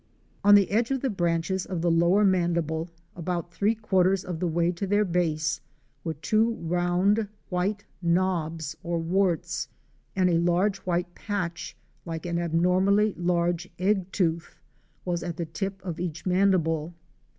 On the edge of the branches of the lower mandible, about three quarters of the way to their base, were two round, white knobs or warts, and a large white patch like an abnormally large egg tooth was at the tip of each mandible.